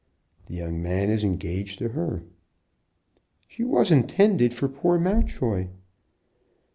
"The young man is engaged to her." "She was intended for poor Mountjoy."